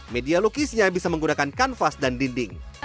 media lukisnya bisa menggunakan kanvas dan dinding